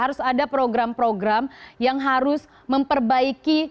harus ada program program yang harus memperbaiki stigma rokok di indonesia